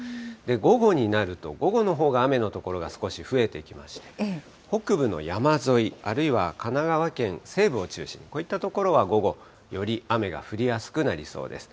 午後になると、午後のほうが雨の所が少し増えてきまして、北部の山沿い、あるいは神奈川県西部を中心に、こういった所は午後、より雨が降りやすくなりそうです。